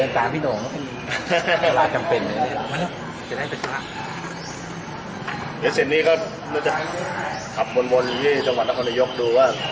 ตามพี่หน่องเวลาจำเป็นเลยเดี๋ยวเสร็จนี้ก็กลับวนวนที่จังหวัดนครโนยกดูว่า